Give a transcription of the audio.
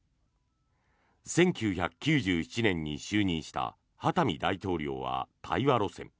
１９９７年に就任したハタミ大統領は対話路線。